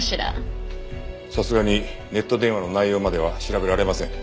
さすがにネット電話の内容までは調べられません。